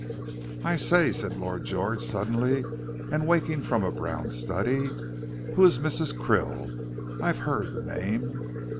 "I say," said Lord George suddenly, and waking from a brown study, "who is Mrs. Krill? I've heard the name."